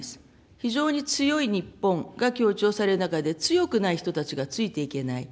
非常に強い日本が強調される中で、強くない人たちがついていけない。